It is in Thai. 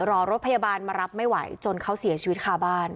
รอรถพยาบาลมารับไม่ไหวจนเขาเสียชีวิตคาบ้าน